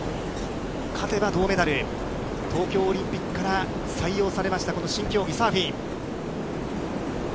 勝てば銅メダル、東京オリンピックから採用されましたこの新競技、サーフィン。